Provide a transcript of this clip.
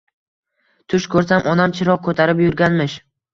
Tush ko‘rsam, onam chiroq ko‘tarib yurganmish.